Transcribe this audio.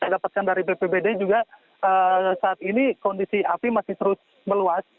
dapatkan dari bpbd juga saat ini kondisi api masih terus meluas